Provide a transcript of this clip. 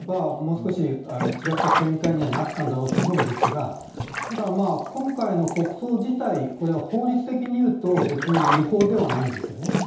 そういう手続きを踏めばもう少し違った展開にはなったんだろうと思うんですがただ今回の国葬自体これは法律的に言うと、別に違法ではないんですよね。